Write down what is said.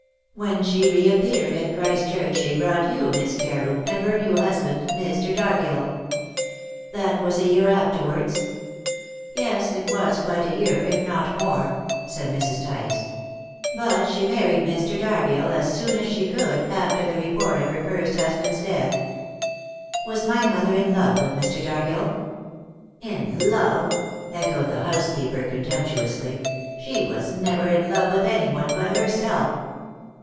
When she reappeared at Christchurch she brought you, Miss Carew, and her new husband, Mr. Dargill." "That was a year afterwards?" "Yes, it was quite a year, if not more," said Mrs. Tice. "But she married Mr. Dargill as soon as she could after the report of her first husband's death." "Was my mother in love with Mr. Dargill?" "In love!" echoed the housekeeper contemptuously. "She was never in love with anyone but herself."